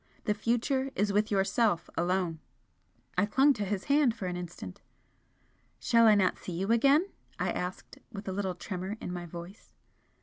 The future is with yourself alone." I clung to his hand for an instant. "Shall I not see you again?" I asked, with a little tremor in my voice.